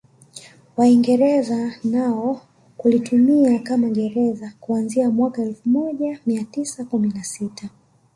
Waingereza nao kulitumia kama gereza kuanzia mwaka elfu moja mia tisa kumi na sita